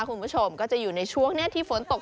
คุณผู้ชมก็จะอยู่ในช่วงนี้ที่ฝนตก